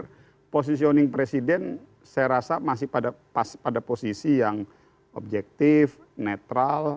jadi posisioning presiden saya rasa masih pada posisi yang objektif netral